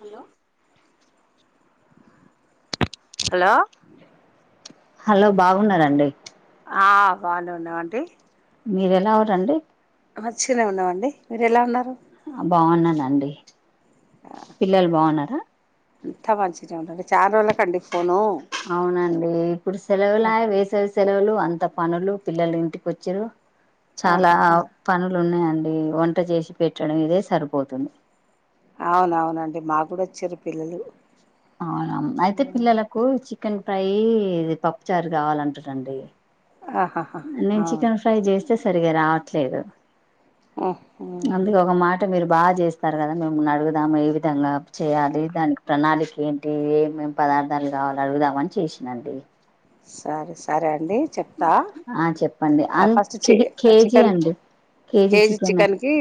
Hello hello hello బాగున్నారండి ఆ బాగానే ఉన్నామండి మీరు ఎలా ఉన్నారు అండి మంచినే ఉన్నావండి మీరు ఎలా ఉన్నారు బాగున్నానండి పిల్లలు బాగున్నారా అంతా మంచిగానే ఉందండి చాలా రోజుల కండి ఫోను అవునండి ఇప్పుడు సెలవులా వేసవి సెలవులు అంత పనులు పిల్లలు ఇంటికొచ్చిర్రు చాలా ఆహాహా పనులు ఉన్నాయ్ అండి వంట చేసి పెట్టడం ఇదే సరిపోతుంది అవునవునండి మా కూడా వచ్చిర్రు పిల్లలు అవునాం అయితే పిల్లలకు చికెన్ ఫ్రై ఇది పప్పుచారు కావాలంటుర్రు అండి ఆహాహా నేను ఆ చికెన్ ఫ్రై చేస్ తే సరిగా రావట్లేదు ఉహు అందుకే ఒక మాట మీరు బాగా చేస్తారు కదా మిమున్ను అడుగుదాము ఏ విధంగా చేయాలి దానికి ప్రణాళిక ఏంటి ఏమేం ప దార్థాలు కావాలి అడుగుదామని చేషినండి సరి సరే అండి చెప్తా ఆ చెప్పండి అ ఆ ఫస్ట్ చె కే కేజీ చికెన్ అండి కే జీ చికెన్ కి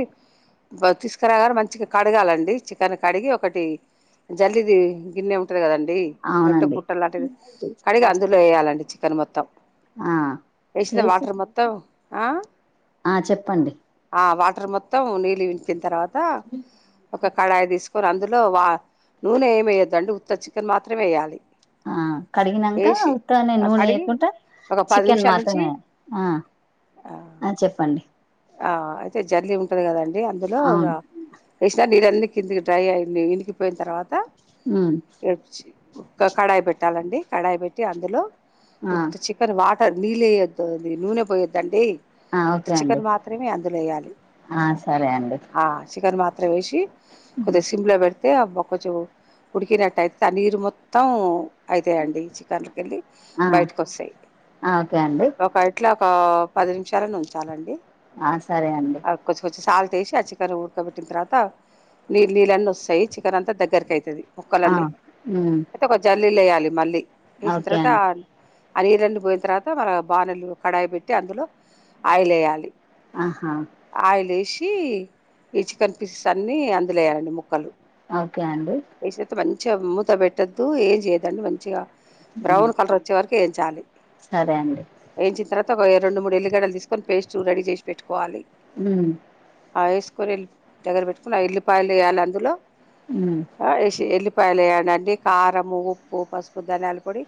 బ తిస్ కరగారు మంచిగా కడగాలండి చికెన్ కడిగి ఒకటి జల్లిది గిన్నె ఉంటంది కదం డి లేపోటే అవునండి బుట్ట లాంటిది కడిగి అందులో ఎయ్యాలండి చికెన్ మొత్తం ఆ ఏచి ఒత్తవ్ ఆ ఆ చెప్పండి అ వాటర్ మొత్తం నీళ్లు ఇంకిన తరువాత ఒక కాడాయి తిస్ కర్ అందులో వా నూనె ఏం ఎయ్యొద్దండి ఉత్త చికెన్ మాత్రమే ఎయ్యాలి ఆ కడిగినంక ఉత్తనే కడిగి నూనెయ్యకుంటా ఒక పది చికెన్ నిమిషాల నుంచి మాత్రమే ఆ ఆ చెప్పండి ఆ అయితే జల్లి ఉంటది కదండి అందులో గా అవును కిందికి డ్రై అయ్యింది వినికిపోయిన తర్వాత ఊ ఉక్క కడాయి పెట్టాలండి కడాయి పెట్టి అందులో ఆ ఉత్త చికెన్ వాటర్ నీళ్ళేయద్దు ది నూనె పోయద్దండి ఆ ఉత్త ఓకే అండి చికెన్ మాత్రమే అందులో ఎయ్యాలి ఆ సరే అండి ఆ చికెన్ మా త్ర వేషి ఉమ్. కొద్దిగా సిం ల పెడ్ తే ఆ బొక్క చు ఉడికినట్టైత ఆ నీరు మొత్తం ఐతయి అండి చికెన్లకెళ్ళి ఆ బయటకి వస్తయి ఆ ఓకే అండి ట్ల ఒక పది నిమిషాలన్నా ఉంచాలండి ఆ సరే అండి తేషి ఆ చికెను ఉడకబెట్టిన తర్వాత నీళ్ళు నీళ్ళన్నీ వస్తాయి చికెన్ అంతా దగ్గరకు ఐతది ఆ ముక్కలన్నీ ఉమ్ అయితే ఒక జల్లీలో ఎయ్యాలి మళ్ళీ ఏసిన ఓకే తర్వాత అండి ఆ నీళ్ళన్నీ పోయిన తర్వాత మన బానెలు కడాయి పెట్టి అందులో ఆయిల్ ఎయ్యాలి ఆహా కి ఈ చికెన్ పీసెస్ అన్నీ అందులో ఎయ్యాలండి ముక్కలు ఓకే అండి చిగా మూత పెట్టద్దు ఏం చేయద్దండి మంచిగా ఉమ్ బ్రౌన్ కలర్ వచ్చే వరకు ఏంచాలి సరే అండి ఎయించిన తర్వాత ఒక రెండు మూడు ఎల్లిగడ్డలు తీసుకొని పేస్ట్ రెడీ చేసి పెట్టుకోవాలి ఊ ఆ ఏసుకొని ఎల్ దగ్గర పెట్టుకుని ఆ ఎల్లిపాయలు ఎయ్యాలి అందులో ఉమ్ ఆ ఏషి ఎల్లి పాయలు ఎయ్యండండి కారము ఉప్పు పసుపు ధానియలు పొడి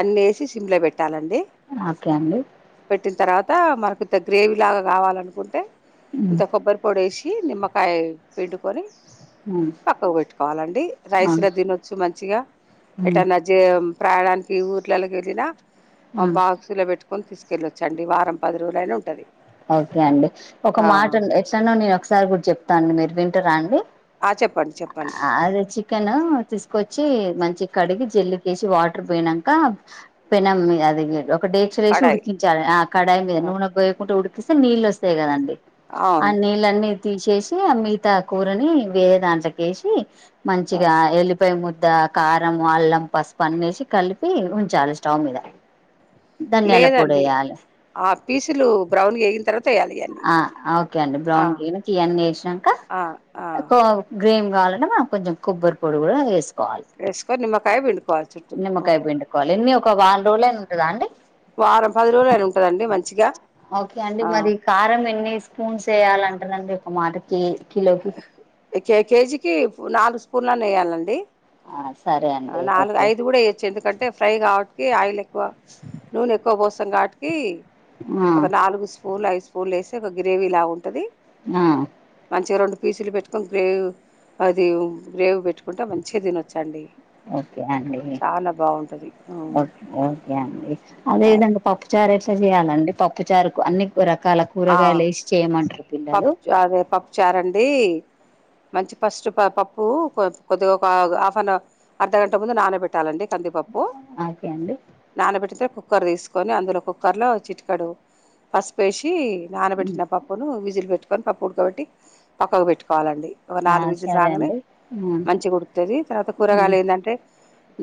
అన్నీ ఏషి సిమ్ లో పె ట్టాలండి ఆకే అండి త మనకింత గ్రేవీ లాగా కావాలనుకుంటే ఉమ్ ఇంత కొబ్బరి పొడి వేసి కి నిమ్మకాయ పిండుకొని ఉమ్ పక్కకు పెట్టుకోవాలండి ఆ రైసులా తినొచ్చు మంచిగా ఉమ్ ఎటనా జె ప్రాయాణానికి ఊర్లలోకి వెళ్ళినా ఆ మాబా పెట్టుకిని తీసుకెళ్ళొచ్చండి వారం పది రజులయినా ఉంటది ఓకే అండి ఒక ఆ మాట ఎట్లానో నేను ఒకసారి గు చెప్తాను అండి మీరు వింటరా అండి ఆ! చెప్పండి చెప్పండి అదే చికెన్ తీసుకొచ్ చ్చి మంచి కడిగి జల్లుక వేసి వాటర్ పోనాక పెనం మీద అది ఒకటేంచేది కడాయి ఉడికించాలి ఆ కడాయి మీద ఆ! నూనె పోయకుండా ఉడికిస్తే నీళ్ళు వస్తాయి కదండి ఆ అవును నీళ్ళన్నీ తీసేసి మిగతా కూరని వేరే దాంట్లకేసి ఆ! మంచిగా ఎల్లిపోయ మో ద్ద కారం అల్లం పసుపు అన్నేసి కలిపి ఉంచాల స్టవ్ మీద ధనియాల పొడి లేదండి వేయాలి ఆ పీసులు బ్రౌన్గే ఆ ఆ ఓకే అండి బ్రౌన్ గకిివన్నీ వేసాక రెం కావాలంటే మనం కొంచెం కొబ్బరి పొడి కూడా వేస్ ఎస్కొ నిమ్కాయ పిండ్ నిమ్మకాయ పిండుకోవాలి ఇన్ని ఒక వారం రోజులన్న ఉంటదా అండి వారం పది రోజులు అయినా ఉంటదండి మంచిగా ఓకే అండి ఆ! మరి కారం ఎన్ని ఎస్కొని చేయాలంటునండి ఒక మాటకి కిలోకి కేజీకి నాలుగు స్పూన్లన్న వేయాలండి ఆ సరే అండి నాలుగు ఓకే ఐదు కూడా ఇయొచ్చు ఎందుకంటే ఫ్రై కాబట్కి ఆయిల్ ఎక్కువ నూనె ఎక్కువ పోస్ సఘటికి ఆ ఒక నాలుగు స్పూన్ ఐదు స్పూన్లు వేస్తే ఒక గ్రేవీ లాగా ఉంటది ఆ మంచిగా రెండు పీసులు పెట్టుకొని గ్రేవీ అది గ్రేవీ పెట్టుకుంటే మంచిగా తినొచ్చండి ఓకే అండి చాలా బాగుంటుంది ఓకే ఒకే అండి అదేవిదంగా పప్పుచారెట్ చేయాలండి పప్పుచారుకు అన్ని రకాల ఆ కూరగాయలు వేసి చేయమంటారు పిల్లలు పప్పు అదే పప్పు చారండి మంచి ఫస్ట్ పప్పు కొద్దిగా ఒక హాఫ్ అన్ అవర్ అర్ధగంట ముందు నానబెట్టాలండి కందిపప్పు ఓకే అండి నానబెడితే కుక్కర్ తీసుకొని అందులో కుక్కర్లో చిటికడు పసుపేసి నానబెట్టిన పప్పును విజిలు పెట్టుకొని పప్పు ఉడుకబట్టి పక్కకు పెట్టుకోవాలండి ఒక ఆ నాలుగు విజులు సరే రాగానే అండి ఉమ్ మంచి కుడుకుతుది తర్వాత ఉమ్ కూరగాయలు ఎందంటే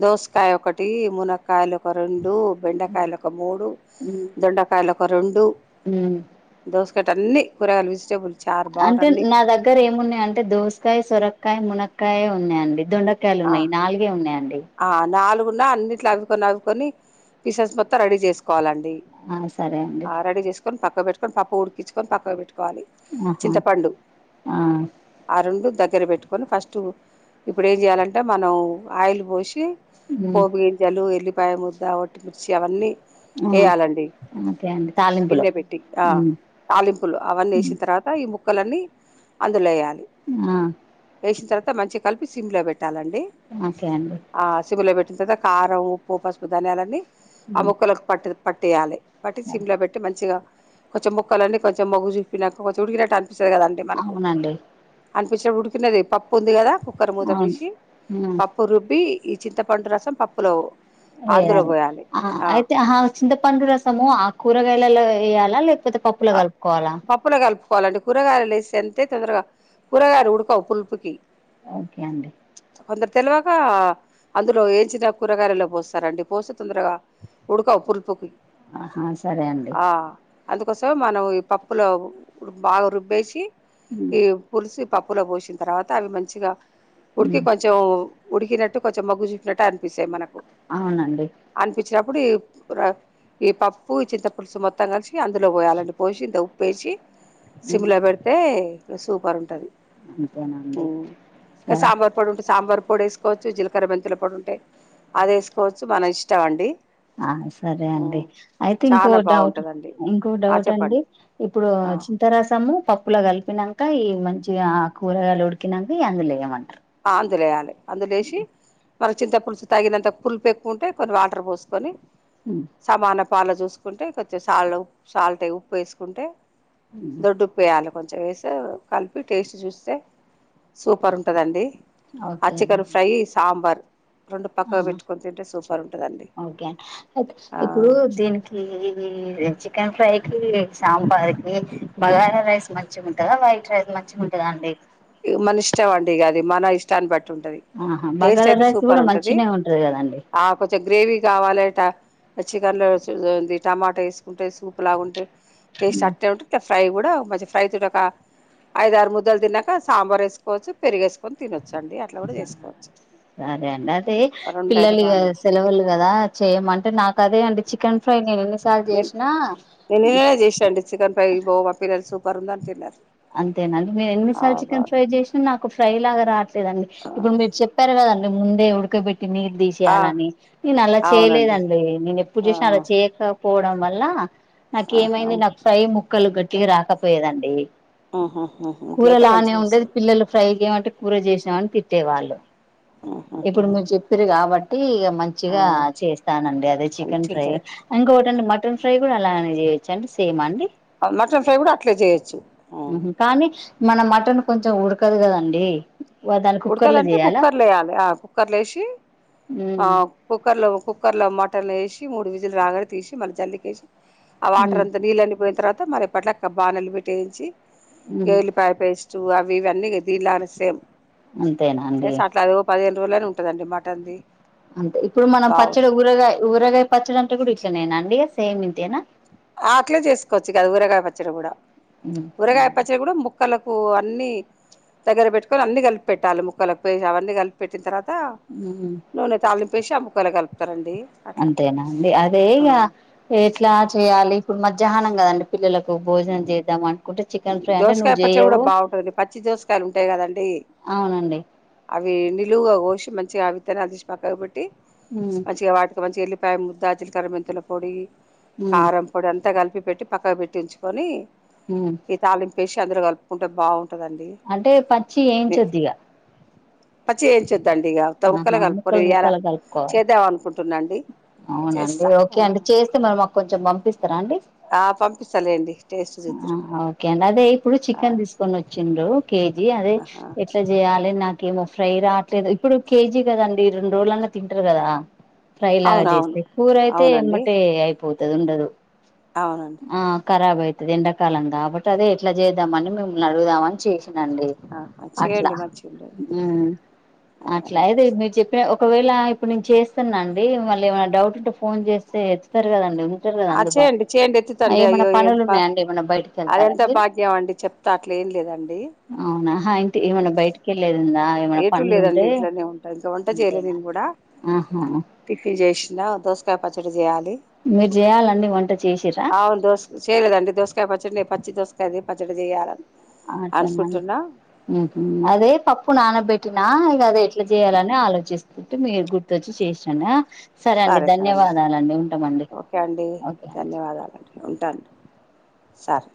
దోసకాయ ఒకటి మునక్ కాయలు ఒక రెండు బెండకాయలు ఒక మూడు ఉమ్ దొండకాయలు ఒక రెండు ఉమ్ కట అన్నీ అంటే నా దగ్గర ఏమున్నాయి అంటే దోసకాయ సొరక్కయ మునక్కాయ ఉన్నాయండి దొండకాయలు ఉన్నాయి నాలుగే ఉన్నాయండి అన్నిట్ అవికనివికొని పీసెస్ మొత్తం రెడీ చేసుకోవాలండి ఆ సరే అండి ఆ రెడ చేసుకొని పక్క పెట్టుకొని పప్పు ఉడికించుకొని పక్క పెట్టుకో వాల ఆహా చింతపండు ఆ ఆ రెండు దగ్గర పెట్టుకొని ఫస్ట్ ఇప్పుడు ఏం చేయాలంటే మనం ఆయిల్ పోసి ఉమ్ పోప్ గీంజలు ఎల్లిపాయ ముద్ద ఒటిమిర్చి అవన్నీ ఆ ఏ ఆలండి ఓకే అండి తాలింపులో గిన్నె పెట్టి ఆ ఉమ్ తాలింపులు అవన్నీ ఉమ్, వేసిన తర్వాత ఈ ముక్కలన్నీ అందులో వేయాలి ఆ వేసిన తర్వా త మంచిగ కలిపి సిమ్లో పెట్టాలన్ ఓకే అండి ఆ సిమ్లో పెట్ పట్టి కారం ఉప్పు పసుపు ధనియాలన్నీ ఆ ఉమ్ ముక్కలకు పట్టు పట్టేయాలి బట్టి సరే సిమ్ లో పెట్టి మంచిగా కొంచెం ముక్కలన్నీ కొంచెం మొ్గు చూినాక కొంచెం ఉడికినట్టుంత స్తుంది కదండి మనకు అవునండి అనిపించిన ఉడికినది పప్పు ఉంది కదా కుక్కర్ మూత అవును తీసి ఉమ్ పప్పు రుబ్బి ఈ చింతపండు రసం పప్పులో అందులో వేయాలి పోయాలి ఆ అయితే ఆ చింతపండు రసము ఆ కూరగాయలలో వేయాలా లేక్ పోతే పప్పులో కలుపుకోవాలా వాలంటే కూరగాయలు వేసే అంతే తొందరగా కూరగాయలు ఉడకవు పులుపుకి ఓకే అండి ఇ అందులో ఏంచినా కూరగాయలో పోస్తారండి పోసి తొందరగా ఉడకవు పులుపుకి ఆహా సరే అండి కోసం మనం ఈ పప్పులో బాగా రుబ్బేసి ఉమ్ ఈ పులుసు పప్పులో పోసిన తర్వాత అవి మంచిగా ఉడికి ఉమ్ కొంచెం ఉడికినట్టు కొంచం మగ్గు చూపినట్టు అపిస్తాయి మనకు అవునండి చ్చినప్పుడు ఈ పా పప్పు చింత పులుసు మొత్తం కలిసి అందులో పోయాలంటే పోసి ఇంత ఉప్పేసి ఉమ్ సిమ్లో పెడితే సూపర్ ఉంటుంది అంతేనండి ఇంకా సరే సాంబార్ పొడి ఉంటే సాంబార్ పొడి వేసుకోవచ్చు జీలకర్ర మెంతుల పొడి ఉంటె అది వేసుకోవచ్చు మన ఇష్టం అండి ఆ సరే అండి అయితే ఇంకో చాలా డౌట్ బాగుంటుందండి ఇంకో ఆ డౌట్ అండి చెప్పండి ఇప్పుడు ఆ చింత రసము పప్పులో కలిపినక ఈ మంచి ఇగ ఆ కూరగాలు ఉడుకినంక ఇయ్యి అందులో వెయ్యమంటారు ఆన్దులేయాలి అందు లేసి మన చింత పులుసు తాగినంత పులు పె ఎక్కుంటే కొన్ని వాటర్ పోసుకొని సమాన పాల చూసుకని కున్టే కొంచెం సాల్లో ఆ సాల్ట్ ఉప్పు వేసుకుంటే దొడ్డు ఉప్పు ఏయాలి కొంచెం వేస కలిపి టేస్ట్ చూస్తే సూపర్ ఉంటదండి అచ్చికన్ ఫ్రై సాంబార్ రెండు ఆ పక్కకు ఓకేం పెట్టుకొని తింటే సూపర్ ఉంటుందండి అండి ఒకే అ ఇప్పుడు దీనికి ఈ చికెన్ ఫ్రై కి సాంబార్ కి బగారా రైస్ మంచిగా ఉంటుందా వైట్ రైస్ మంచిగ ఉంటద అండి మన ఇష్టమ్ అండి ఇగ అది మన ఇష్ట అన్ బట్ టది ఆహా టేస్ట్ బగారా అయితే రైస్ సూపర్ కూడా ఉంటది మంచినే కదండి ఆ కొంచెం గ్రేవీ కావాలిట చికెన్ లో చ ఉంది టమాటా వేసుకుంటే సూప్ లాగుంటే ఉమ్ టేస్ట్ అట్టే ఉంట ఫ్రై కూడా మంచిగా ఫ్రై తోట ఒక ఐదు ఆరు ముద్దలు తిన్నాక సాంబార్ వేసుకోవచ్చు పెరుగు వేసుకొని తినొచ్చు అండి అట్లా కూడా చేసుకోవచ్చు సరే అండి అదే రెండైనా పిల్లలు బాగానే ఉంది సెలవులు కదా చేయమంటే నాకు అదే అండి చికెన్ ఫ్రై నేను ఎన్నిసార్లు నేను చేసినా నేను నిన్ననే చేసాండి చికెన్ ఫ్రై గో అబ్బి తెల్సు బర్గర్ తిన్నారు అంతేనండి నేను ఆ ఎనిమిదిసార్లు బా చికెన్ ఫ్రై చేసినా నాకు ఫ్రై లాగా రాట్ దండి ఇప్పుడు మీరు చెప్పారు కదండి ముందే ఉడకబేట్ నీళ్ ఆ తీసేయాలని నేను అలా అవునండి చేయలేదండి నేను ఎప్పుడు ఆ చూసిన అలా చేయకపోవడం వల్ల నాకు ఆహా ఏమైంది నాకు ఫ్రై ముక్కలు గట్టిగా రాకపోయేదండి ఉహుహు కూర ఇట్లయితే లానే మంచిగా ఉండేది వస్తుంది పిల్లలు ఫ్రై చేయమంటే కూర చేసామని తిట్టేవాళ్ళు ఇప్పుడు మీరు చెప్పీరు కాబట్టి ఇక మంచిగా చేస్తానండి అదే చికెన్ మంచిగా ఫ్రై ఉంటది ఇంకోటండి మటన్ ఫ్రై కూడా అలా అని చేయోచ్చండి మటన్ ఫ్రై కూడా అట్లే చేయొచ్చు కానీ మన మటన్ కొంచెం ఉడకదు కదండి దాన్ని కుక్కర్ లో ఉడకదంటే చేయాలా కుక్కర్లో వేయాలి ఆ కుక్కర్లు వేసి ఉమ్ ఆ కుక్కర్ లో కుక్కర్ లో మటన్ వేసి మూడు విజులు రాగానే తీసి మళ్ళ జల్లికేసి ఆ ఉమ్ వాటర్ అంతా నీళ్ళు అన్ని పోయిన తర్వాత మరి పట్లక్క బానలు పెట్టేయించి ఉమ్ గేల్లిపాయపేస్ చూ అవి ఇవ్వన్నీ దీనిలానే సేమ్ అంతేనా అండి రోలనే ఉంటదండి మటన్ ది అంతే ఇప్పుడు మనం పచ్చడి ఊరగాయ ఊరగాయ పచ్చడి అంటే కూడా ఇట్లనేనా అండి సేమ్ ఇంతేనా ఆట్లే చేసుకోవచ్చు కదా ఊరగాయ పచ్చడి కూడా ఉమ్ ఊరగాయ పచ్చడి కూడా ముక్కలు ప్పు అన్ని దగ్గర పెట్టుకొని అన్ని కలిపి పెట్టాలి ముక్కలకు అవన్నీ కలిపిపెట్టిన తర్వాత త నూనె తాలింపేసి ఆ ముక్కలు కలుపు అంతేనాండి అదే ఇగ ఎట్లా చేయాలి ఇప్పుడు మధ్యాహ్నం కదండి పిల్లలకు భోజనం చేద్దాం అనుకుంటే చికెన్ ఫ్రై అంటే నువ్వు దోసకాయ పచ్చడి కూడా జేయవు బాగుంటుంది పచ్చి దోసకాయలు ఉంటాయి కదండి అవునండి అవి నిలువుగా కోసి మంచిగా ఆవిత్తనే అది తీసి పక్కన కాబట్టి హ్మ్ ఇగ మంచిగ ఎల్లిపాయ ముద్దా జీలకర్ర మెంతుల పొడి ఉమ్ కారం పొడి అంతా కలిపి పెట్టి పక్కన పెట్టి ఉంచు కొని హ్మ్ ఫిష్ అందులో కలుపుకుంటే బావుం అంటే పచ్చి ఏయించొద్దుదిగా పచ్చియి వేయించొద్దండి ఇక త ముక్కలు ఆహా కలుపుకొని గాయాలు ముక్కలు కలుపుకోవాలి చేద్దామనుకుంటున్నా అవునండి ఓకే అండి చేస్తే మరి మాకు కొంచెం పంపిస్త ఆ పంపిస్తలేండి టేస్ట్ చూద్దురు ఓకే అండి అదే ఇప్పుడు చికెన్ తీసుకొని వచ్చిండ్రు కేజీ అదే ఎట్లా చేయాలి నాకు నాక ఏమో ఫ్రై రావట్లేదు ఇప్పుడు కేజీ కదండి రెండు రోజలన్నా తింటారు కదా ఫ్రై లాగా అవునవును చేస్తే కూర అయితే అవునండి ఎమ్మటే అయిపోతది ఉండదు అవునండి ఆ ఖరాబ్ అయితది ఎండాకాలం కాబట్టి అదే ఎట్లా చేద్దామని మిమ్మల్ని అడుగుదామని చేస నండి అట్లా చేయండి మంచిగా ఉండేది హ్మ్ అట్లా అది మీ చెప్ ఒకవేళ ఇప్పుడు నేను చేస్తున్నా అండి మళ్ళీ ఏమైనా డౌట్ ఉంటే ఫోన్ చేస్తే ఎత్తుతారు కదండి ఉంటారు కదా ఆ అందుబాటు చేయండి చేయండి ఎత్తుతండి ఏమైనా అయ్యో పనులు ఏళపా ఉన్నాయండి ఏమైనా బయటకి అది వెళ్తారా ఎంత మీరు భాగ్యం అండి చెప్తా అట్లే ఏం లేదండి అవునా ఇంటి ఏమన్నా బయటికి వెళ్ళలేది ఉందా ఏమైనా ఎటు పనులు లేదండి ఉంటే ఇంట్లోనే ఉంటా ఇంకా వంట చేయలే అంతేనా నేను కూడా ఆహా టిఫీ చేసినా దోసకాయ పచ్చడి చేయాలి మీరు చేయాలండి వంట చేసిరా అవును దోస చేయలేదండి దోసకాయ పచ్చడి పచ్చి దోసకాయది పచ్చడి చేయాల అట్టన అనుకుంటున్నా హ్మ్ హు అదే పప్పు నాన బెట్టిన ఇక అదే ఎట్ల చేయాలని ఆలోచిస్తుంటే మీరు గుర్తుచ్చి చేసాను సరే అండి ధన్యవాదాలండి ఉంటామండి ఓకే అండి ఓకేండి సార్